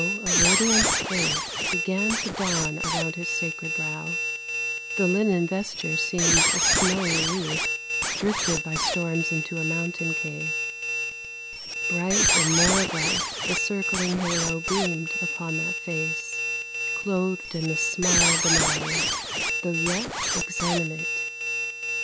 a radiance faint Began to dawn around His sacred brow ; The linen vesture seemed a snowy wreath, Drifted by storms into a mountain cave ; Bright and more bright the circling halo beamed Upon that face, clothed in a smile benign, Though yet exanimate.